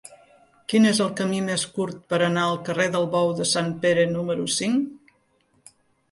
Quin és el camí més curt per anar al carrer del Bou de Sant Pere número cinc?